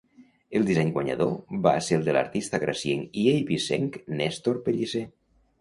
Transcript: El disseny guanyador va ser el de l'artista gracienc i eivissenc Néstor Pellicer.